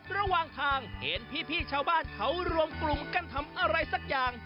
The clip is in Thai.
ระหว่างทางเห็นพี่ชาวบ้านเขารวมกลุ่มกันทำอะไรสักอย่าง